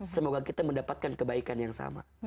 semoga kita mendapatkan kebaikan yang sama